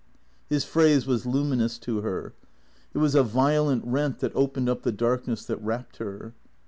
His phrase was luminous to her. It was a violent rent that opened up the darkness that wrapped her.